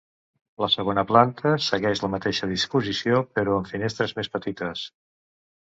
La segona planta segueix la mateixa disposició, però amb finestres més petites.